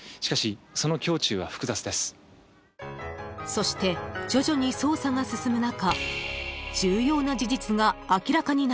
［そして徐々に捜査が進む中］